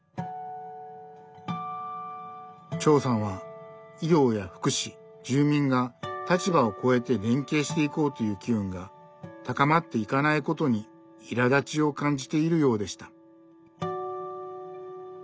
長さんは医療や福祉住民が立場をこえて連携していこうという機運が高まっていかないことにいらだちを感じているようでした。